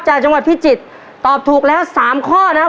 จากจังหวัดพี่จิตตอบถูกแล้วสามข้อนะครับ